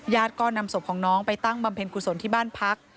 ก็นำศพของน้องไปตั้งบำเพ็ญกุศลที่บ้านพัก